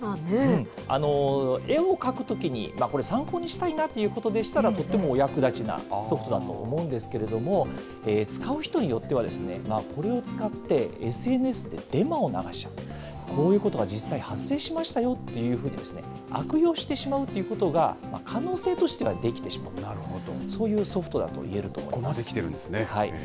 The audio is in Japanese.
絵を描くときに参考にしたいなということでしたら、とてもお役立ちなソフトだと思うんですけれども、使う人によっては、これを使ってＳＮＳでデマを流しちゃう、こういうことが実際に発生しましたよというふうに、悪用してしまうということが、可能性としてはできてしまう、そういうソフトだといえると思います。